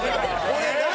これ何？